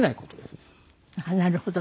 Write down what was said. なるほどね。